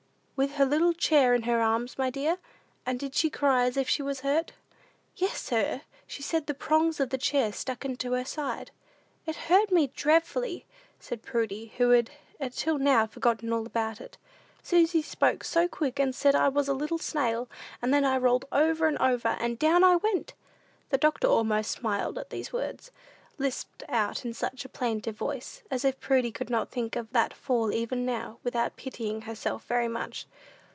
"With her little chair in her arms, my dear? And did she cry as if she was hurt?" "Yes, sir; she said the prongs of the chair stuck into her side." "It hurt me dreffully," said Prudy, who had until now forgotten all about it. "Susy spoke so quick, and said I was a little snail; and then I rolled over and over, and down I went." The doctor almost smiled at these words, lisped out in such a plaintive voice, as if Prudy could not think of that fall even now, without pitying herself very much.